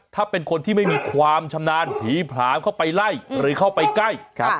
ถ้าเป็นคนที่ไม่มีความชำนาญผีผลามเข้าไปไล่หรือเข้าไปใกล้